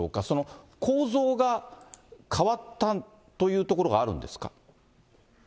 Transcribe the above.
その構造が変わったというところがあるんですか？